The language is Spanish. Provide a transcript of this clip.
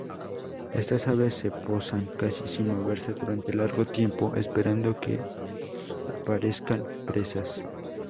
Estas aves se posan casi sin moverse durante largo tiempo esperando que aparezcan presas.